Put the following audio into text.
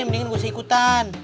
mendingan gak usah ikutan